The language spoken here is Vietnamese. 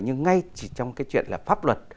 nhưng ngay trong cái chuyện là pháp luật